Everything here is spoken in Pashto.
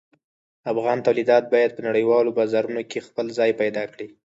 افغان تولیدات باید په نړیوالو بازارونو کې خپل ځای پیدا کړي.